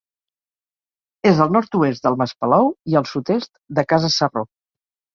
És al nord-oest del Mas Palou i al sud-est de Casa Sarró.